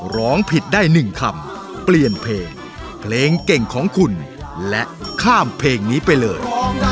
ร้องผิดได้๑คำเปลี่ยนเพลงเพลงเก่งของคุณและข้ามเพลงนี้ไปเลย